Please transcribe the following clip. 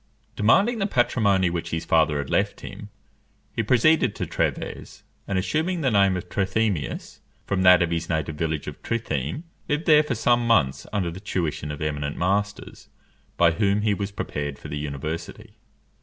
Demanding the patrimony which his father had left him, he proceeded to Trèves; and assuming the name of Trithemius, from that of his native village of Trittheim, lived there for some months under the tuition of eminent masters, by whom he was prepared for the university.